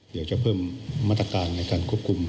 เดี๋ยวจะเพิ่มมาตรการในการควบคุม